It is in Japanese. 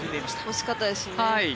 惜しかったですね。